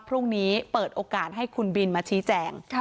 พรุ่งนี้เปิดโอกาสให้คุณบินมาชี้แจง